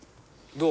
どう？